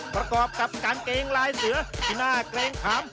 ประกอบกับการเกรงลายเสือที่น่าเกรงขาม